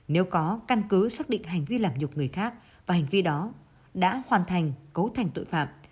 nếu có căn cứ xác định hành vi làm nhục người khác và hành vi đó đã hoàn thành cấu thành tội phạm